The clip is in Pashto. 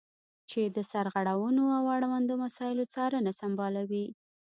چې د سرغړونو او اړوندو مسایلو څارنه سمبالوي.